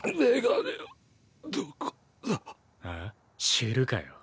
知るかよ。